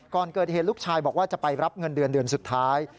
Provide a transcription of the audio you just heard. ก่อนเกิดเหตุลูกชายบอกว่าจะไปรับเงินเดือนเดือนสุดท้าย